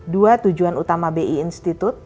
dua tujuan utama bi institute